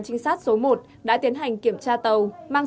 trinh sát số một đã tiến hành kiểm tra tàu mang